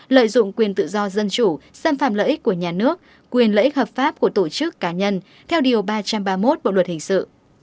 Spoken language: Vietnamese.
lợi dụng quyền tự do dân chủ xâm phạm lợi ích của nhà nước quyền lợi ích hợp pháp của tổ chức cá nhân theo điều ba trăm ba mươi một bộ luật hình sự